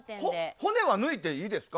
骨は抜いていいですか？